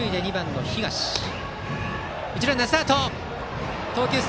一塁ランナー、スタート！